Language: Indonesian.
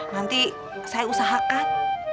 nanti saya usahakan